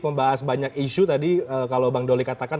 membahas banyak isu tadi kalau bang doli katakan